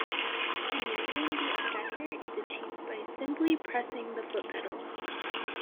Enabling the effector is achieved by simply pressing the foot pedal.